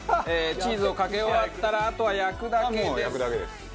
チーズをかけ終わったらあとは焼くだけです。